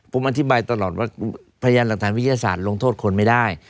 ผมอธิบายตลอดว่าพยานหลักฐานวิทยาศาสตร์ลงโทษคนไม่ได้